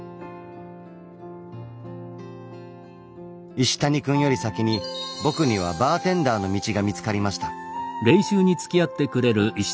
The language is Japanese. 石谷くんより先に僕にはバーテンダーの道が見つかりました。